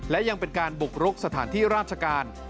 และยังเป็นการบุกรุกสถานที่ราชการ